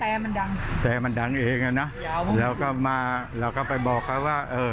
แต่มันดังแต่มันดังเองอ่ะนะแล้วก็มาเราก็ไปบอกเขาว่าเออ